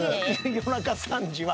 夜中３時は。